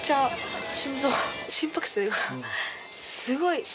すごいわ。